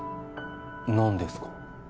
何ですか？